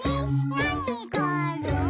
「なにがある？」